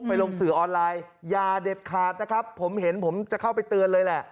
ลงสื่อออนไลน์อย่าเด็ดขาดนะครับผมเห็นผมจะเข้าไปเตือนเลยแหละ